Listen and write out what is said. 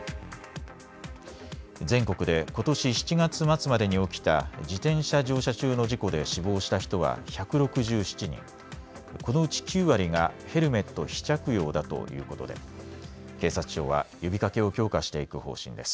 全国でことし７月末までに起きた自転車乗車中の事故で死亡した人は１６７人、このうち９割がヘルメット非着用だということで警察庁は呼びかけを強化していく方針です。